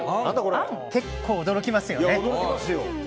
結構、驚きますよね。